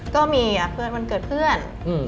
ก็มีวันเกิดเพื่อน